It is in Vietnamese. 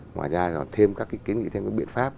ngoài ra là thêm các cái kiến nghị thêm các biện pháp